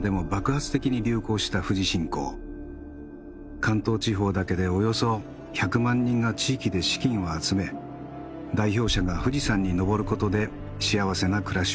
関東地方だけでおよそ１００万人が地域で資金を集め代表者が富士山に登ることで幸せな暮らしを願ったそうです。